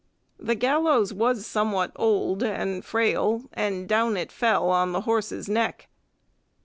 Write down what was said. The gallows was somewhat old and frail, and down it fell on the horse's neck.